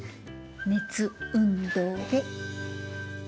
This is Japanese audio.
熱運動で。